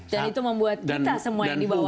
dan itu membuat kita semua yang di bawah bingung